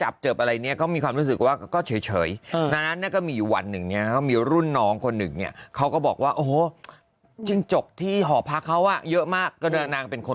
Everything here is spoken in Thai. เพราะว่าเล่นตั้งแต่เด็ก